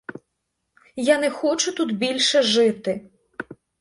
Я не хочу тут більше жити!